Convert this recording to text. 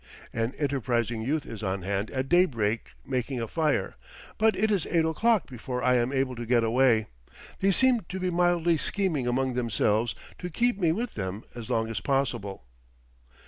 An enterprising youth is on hand at daybreak making a fire; but it is eight o'clock before I am able to get away; they seem to be mildly scheming among themselves to keep me with them as long as possible.